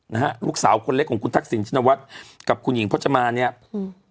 นะฮะลูกสาวคนเล็กของคุณทักษิณชินวัฒน์กับคุณหญิงพจมาเนี้ยอืม